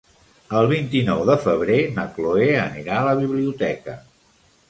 El vint-i-nou de febrer na Cloè anirà a la biblioteca.